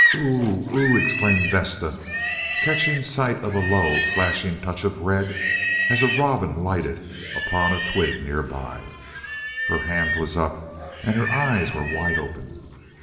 "Ooh!—ooh!" exclaimed Vesta, catching sight of a low, flashing touch of red as a robin lighted upon a twig nearby. Her hand was up, and her eyes were wide open.